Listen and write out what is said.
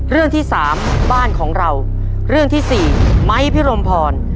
เรื่องที่สามบ้านของเราเรื่องที่สี่ไม้พิรมพร